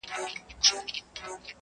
هر سړى پر ځان شكمن سو چي نادان دئ؛